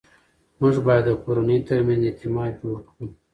موږ باید د کورنۍ ترمنځ اعتماد جوړ کړو